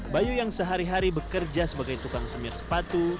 bayu yang sehari hari bekerja sebagai tukang semir sepatu